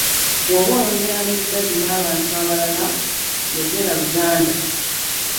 Bw'oba oyogera ne Dadi wamu n'abantu abalala oyogera Luganda.